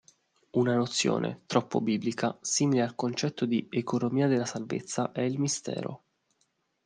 Una nozione, troppo biblica, simile al concetto di "economia della salvezza" è il "mistero".